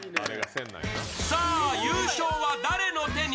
さあ、優勝は誰の手に？